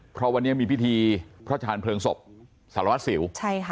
เพราะวันนี้มีพิธีพระทานเผลิงศพสารวัฏศิวษณ์ค่ะ